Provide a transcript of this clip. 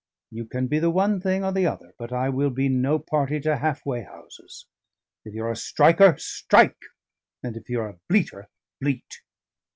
You can be the one thing or the other, but I will be no party to half way houses. If you're a striker, strike, and if you're a bleater, bleat!"